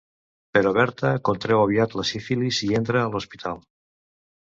Però Berta contreu aviat la sífilis i entra a l'hospital.